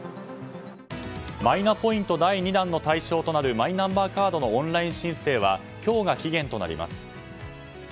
マイナポイント第２弾の対象となるマイナンバーカードのオンライン申請は今日が期限となります。